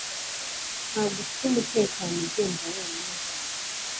Ntabwo ufite umutekano ugenda wenyine hano